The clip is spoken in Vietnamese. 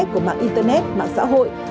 của mạng internet mạng xã hội